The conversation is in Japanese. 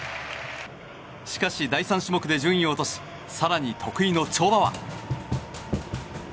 しかし、第３種目で順位を落とし更に得意の跳馬は。